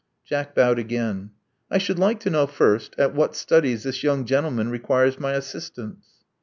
Jack bowed again. I should like to know, first, at what studies this young gentleman requires my assistance."